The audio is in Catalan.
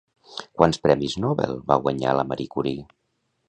Quants Premis Nobel va guanyar la Marie Curie?